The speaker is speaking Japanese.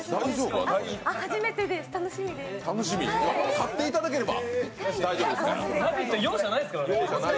勝っていただければ大丈夫ですから。